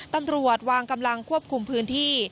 ตำรวจวางกำลังควบคุมพื้นที่